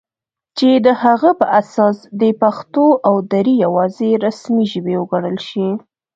چې د هغه په اساس دې پښتو او دري یواځې رسمي ژبې وګڼل شي